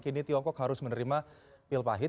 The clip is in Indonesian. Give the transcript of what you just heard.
kini tiongkok harus menerima pil pahit